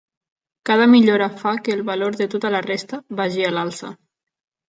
Cada millora fa que el valor de tota la resta vagi a l'alça.